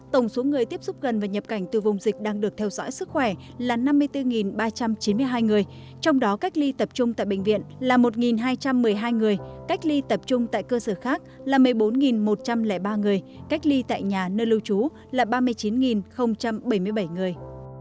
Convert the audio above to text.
tổng số người tiếp xúc gần và nhập cảnh từ vùng dịch đang được theo dõi sức khỏe là năm mươi bốn ba trăm chín mươi hai người trong đó cách ly tập trung tại bệnh viện là một hai trăm một mươi hai người cách ly tập trung tại cơ sở khác là một mươi bốn một trăm linh ba người cách ly tại nhà nơi lưu trú là ba mươi chín bảy mươi bảy người